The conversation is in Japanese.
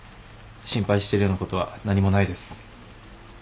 心配しているようなことは何もないです。